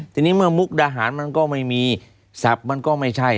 ทีนี้เมื่อมุกดาหารมันก็ไม่มีศัพท์มันก็ไม่ใช่